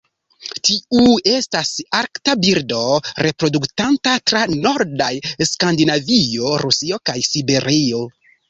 Tiu estas arkta birdo, reproduktanta tra nordaj Skandinavio, Rusio kaj Siberio.